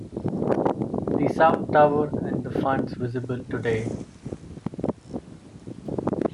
The south tower and the funds visible today.